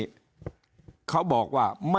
ยิ่งอาจจะมีคนเกณฑ์ไปลงเลือกตั้งล่วงหน้ากันเยอะไปหมดแบบนี้